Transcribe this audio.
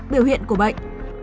biểu hiện của bệnh